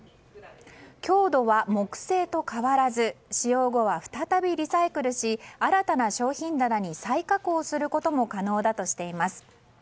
強度は木製と変わらず使用後は再びリサイクルし新たな商品棚に再加工することも可能だとしています。